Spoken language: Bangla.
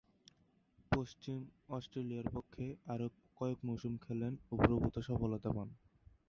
পশ্চিম অস্ট্রেলিয়ার পক্ষে আরও কয়েক মৌসুম খেলেন ও প্রভূতঃ সফলতা পান।